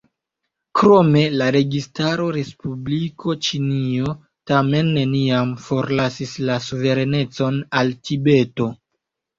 Krome, la registaro Respubliko Ĉinio kaj neniam forlasis la suverenecon al Tibeto.